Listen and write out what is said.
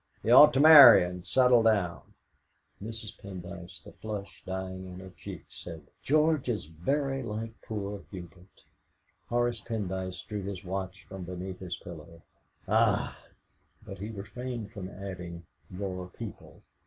He ought to marry and settle down." Mrs. Pendyce, the flush dying in her cheeks, said: "George is very like poor Hubert." Horace Pendyce drew his watch from beneath his pillow. "Ah!" But he refrained from adding, "Your people!"